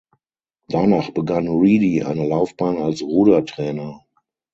Danach begann Reedy eine Laufbahn als Rudertrainer.